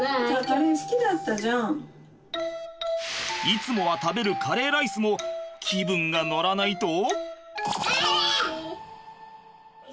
いつもは食べるカレーライスも気分が乗らないと。